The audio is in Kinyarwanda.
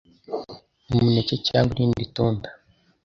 umuneke cyangwa irindi tunda,